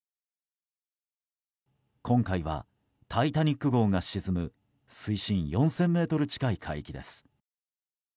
今回は「タイタニック号」が沈む水深４０００ｍ近い海域です。